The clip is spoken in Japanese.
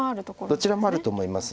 どちらもあると思います。